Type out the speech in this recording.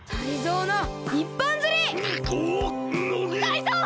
タイゾウ！